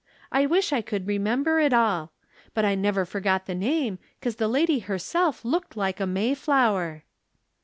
I wish I could re member it all. But I never forgot the name, 'cause the lady herself looked like a Mayflower."